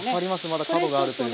まだ角があるというか。